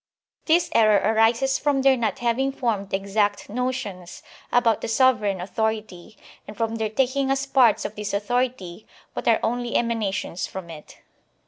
THAT SOVEREIGNTY IS INDIVISIBLE 23 This error arises from their not having formed exact notions about the sovereign authority, and from their taking as parts of this authority what are only emana tions from it.